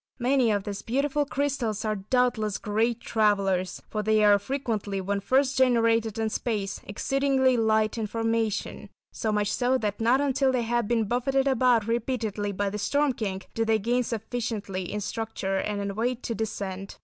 Many of these beautiful crystals are doubtless great travellers, for they are frequently, when first generated in space, exceedingly light in formation, so much so that not until they have been buffeted about repeatedly by the Storm King, do they gain sufficiently in structure and in weight to descend.